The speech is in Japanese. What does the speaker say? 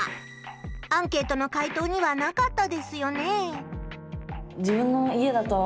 アンケートの回答にはなかったですよねえ。